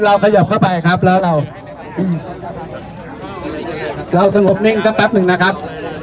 ขยับเข้าไปครับแล้วเราสงบนิ่งสักแป๊บหนึ่งนะครับ